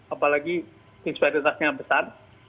apalagi disparitasnya besar